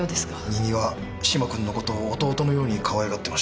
新見は嶋君のこと弟のようにかわいがってました